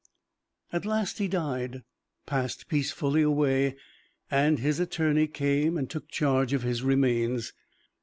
At last he died passed peacefully away and his attorney came and took charge of his remains.